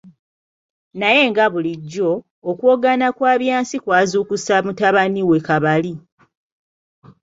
Naye nga bulijjo, okuwoggana kwa Byansi kwazukusa mutabani we Kabali.